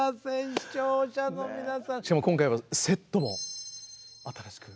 しかも今回はセットも新しく。